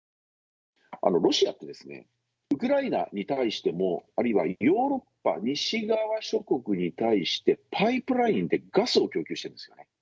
ロシアって、ウクライナに対しても、あるいはヨーロッパ西側諸国に対して、パイプラインでガスを供給しているんです。